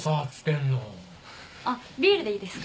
あっビールでいいですか？